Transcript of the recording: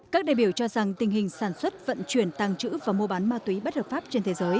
các đại biểu cho rằng tình hình sản xuất vận chuyển tăng trữ và mua bán ma túy bất hợp pháp trên thế giới